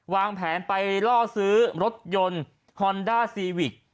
วางแผนไปล่อซื้อรถยนต์ฮอนด้าซีวิก